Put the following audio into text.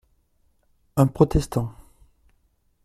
Un protestant.